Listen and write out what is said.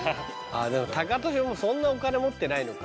でもタカトシもそんなお金持ってないのか。